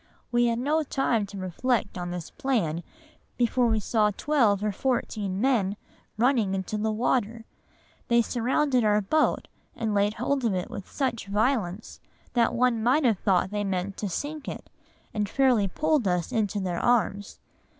We had no time to reflect on this plan before we saw twelve or fourteen men running into the water,—they surrounded our boat and laid hold of it with such violence, that one might have thought they meant to sink it, and fairly pulled us into their arms....